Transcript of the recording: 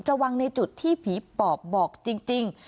วางในจุดที่ผีปอบบอกจริง